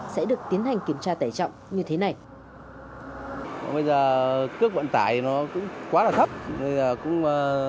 sẽ được tiến hành kiểm tra tải trọng